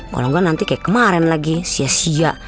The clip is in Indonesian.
kalau enggak nanti kayak kemarin lagi sia sia